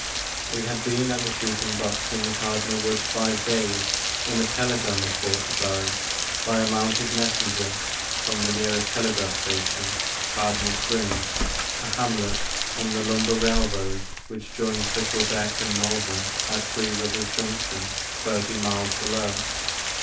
WE had been at the shooting box in the Cardinal Woods five days when a tele gram was brought to Barris by a mounted messenger from the nearest telegraph station, Cardinal Springs, a hamlet on the lumber railroad which joins the Quebec and Northern at Three Rivers Junction, thirty miles below.